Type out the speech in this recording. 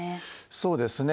そうですね。